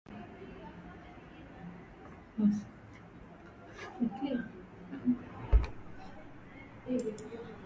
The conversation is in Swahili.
Badala ya kwenda alipotoka alienda kwenye mafaili ya kumbukumbu za ardhi